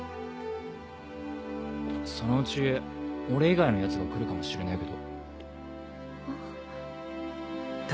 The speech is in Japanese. そのうち俺以外のヤツが来るかもしれねえけど。